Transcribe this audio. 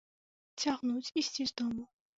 Цягнуць ісці з дому!